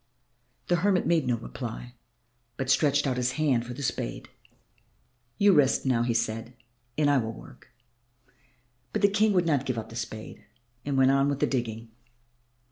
The hermit made no reply, but stretched out his hand for the spade. "You rest now," he said, "and I will work." But the King would not give up the spade and went on with the digging.